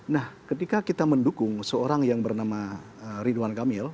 nah ketika kita mendukung seorang yang bernama ridwan kamil